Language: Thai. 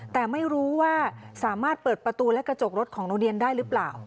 แต่ไม่รู้ว่าสามารถเปิดประตูและกระจกรถของโรงเรียนได้หรือเปล่า